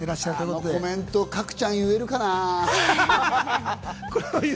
このコメント、角ちゃん言えるかな？